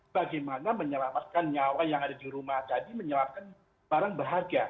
bagaimana menyelamatkan nyawa yang ada di rumah tadi menyelamatkan barang bahagia